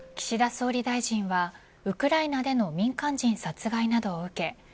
岸田総理大臣はウクライナでの民間人殺害などを受け